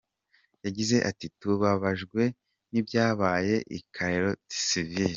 Yagize ati “Tubabajwe n’ibyabaye i Charlottesville.